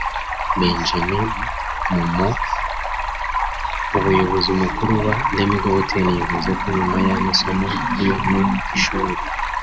Benjamin Mumo umuyobozi mukuru wa Lemigo Hotel yavuze ko nyuma y’amasomo yo mu ishuri